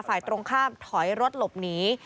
ฝ่ายตรงข้ามถอยรถหลบหนี